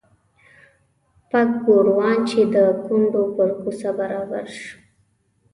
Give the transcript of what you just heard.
پک ګوروان چې د کونډو پر کوڅه برابر شو.